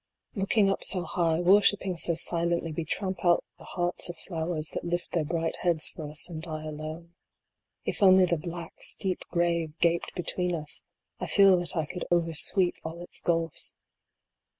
Looking up so high, worshiping so silently, we tramp out the hearts of flowers that lift their bright heads for us and die alone. If only the black, steep grave gaped between us, I feel that I could over sweep all its gulfs.